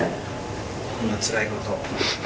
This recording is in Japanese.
こんなつらいこと。